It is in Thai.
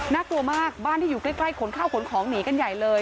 น่ากลัวมากบ้านที่อยู่ใกล้ขนข้าวขนของหนีกันใหญ่เลย